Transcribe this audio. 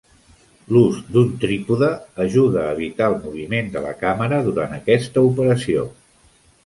L'ús d'un trípode ajuda a evitar el moviment de la càmera durant aquesta operació.